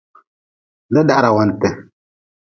Dadahrawanti.